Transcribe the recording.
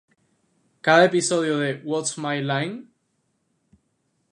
Cada episodio de "What's My Line?